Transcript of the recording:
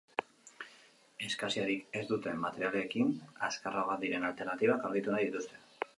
Eskasiarik ez duten materialekin azkarragoak diren alternatibak aurkitu nahi dituzte.